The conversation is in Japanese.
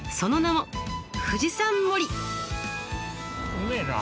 うめえな。